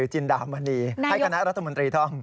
ให้คณะรัฐมนตรีท่อง